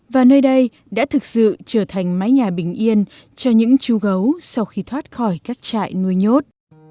và nơi đây đã thực sự trở thành mái nhà bình yên cho những chú gấu sau khi thoát khỏi các trại nuôi nhốt